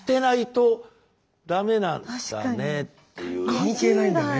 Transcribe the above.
関係ないんだね。